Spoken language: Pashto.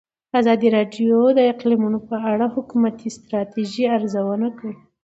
ازادي راډیو د اقلیتونه په اړه د حکومتي ستراتیژۍ ارزونه کړې.